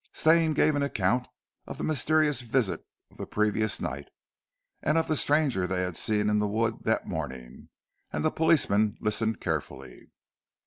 Stane gave an account of the mysterious visit of the previous night and of the stranger they had seen in the wood that morning and the policeman listened carefully.